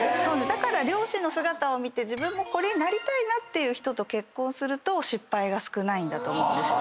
だから両親の姿を見て自分もこれになりたいなっていう人と結婚すると失敗が少ないんだと思うんですよね。